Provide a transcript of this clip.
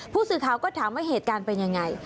ผู้สื่อข่าวก็ถามว่าเหตุการณ์เป็นยังไง